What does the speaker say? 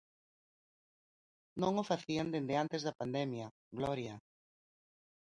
Non o facían dende antes da pandemia, Gloria...